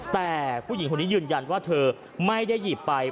แต่ผู้หญิงคนนี้ยืนยันว่าเธอไม่ได้หยิบไป